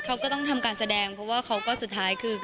เขาก็ต้องทำการแสดงเพราะว่าเขาก็สุดท้ายคือ